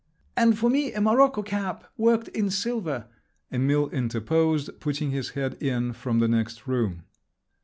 "And for me a morocco cap worked in silver," Emil interposed, putting his head in from the next room.